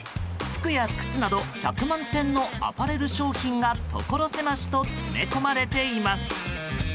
服や靴など１００万点のアパレル商品が所狭しと詰め込まれています。